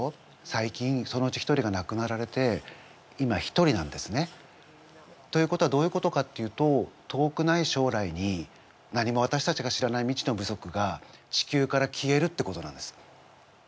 最近そのうち一人がなくなられて今一人なんですね。ということはどういうことかっていうと遠くないしょうらいに何もわたしたちが知らない未知の部族が地球から消えるってことなんです。